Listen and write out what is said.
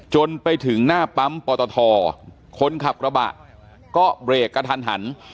จนไปถึงหน้าปั๊มปอตทคนขับกระบะก็เบรกกระทันหัน